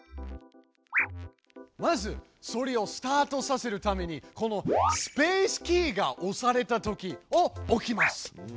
まずソリをスタートさせるためにこの「スペースキーが押されたとき」を置きます。